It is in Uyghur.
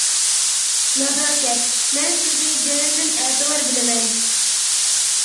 -نازاكەت، مەن سىزنى جىنىمدىن ئەتىۋار بىلىمەن.